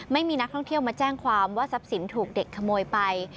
ไม่มีนักท่องเที่ยวมาแจ้งความว่าทรัพย์สินถูกเด็กขโมยไป